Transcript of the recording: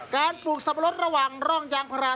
ปลูกสับปะรดระหว่างร่องยางพารา